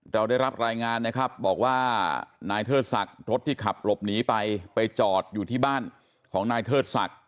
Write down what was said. เราได้รับรายงานนะครับบอกว่านายเทิดศักดิ์รถที่ขับหลบหนีไปไปจอดอยู่ที่บ้านของนายเทิดศักดิ์